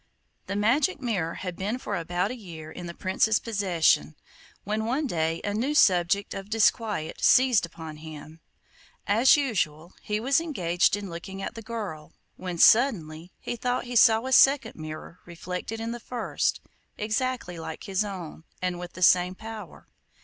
The magic mirror had been for about a year in the Prince's possession, when one day a new subject of disquiet seized upon him. As usual, he was engaged in looking at the girl, when suddenly he thought he saw a second mirror reflected in the first, exactly like his own, and with the same power.